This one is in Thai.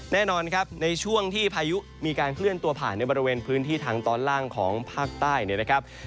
แน่นอนครับในช่วงที่พายุมีการเคลื่อนตัวผ่านในบริเวณพื้นที่ทางตอนล่างของภาคใต้เนี่ยนะครับ